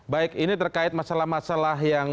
baik ini terkait masalah masalah yang